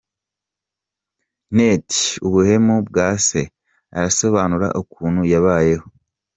net ubuhemu bwa Se, arasobanura ukuntu yabayeho.